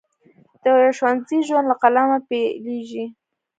د ښوونځي ژوند له قلمه پیلیږي.